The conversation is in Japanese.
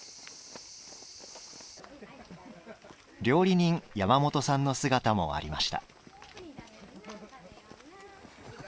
料理人・山本さんの姿もありました。